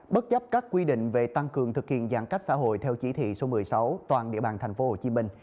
bất chấp các quy định về tăng cường thực hiện giãn cách xã hội theo chỉ thị số một mươi sáu toàn địa bàn thành phố hồ chí minh